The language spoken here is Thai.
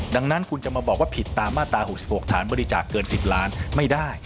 ดังนั้นคุณจะมาบอกว่าผิดตามมาตรา๖๖ฐานบริจาคเกิน๑๐ล้านไม่ได้